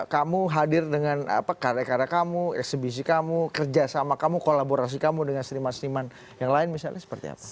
kamu hadir dengan karya karya kamu eksebisi kamu kerja sama kamu kolaborasi kamu dengan seniman seniman yang lain misalnya seperti apa